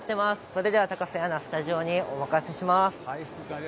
それでは高瀬アナスタジオにお任せします。